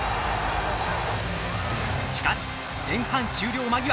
しかし前半終了間際。